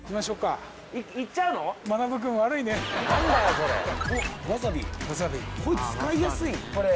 これ使いやすいこれ。